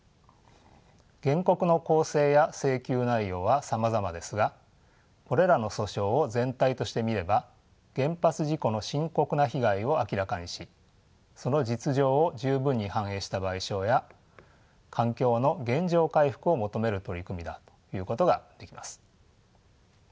原告の構成や請求内容はさまざまですがこれらの訴訟を全体としてみれば原発事故の深刻な被害を明らかにしその実情を十分に反映した賠償や環境の原状回復を求める取り組みだということができます。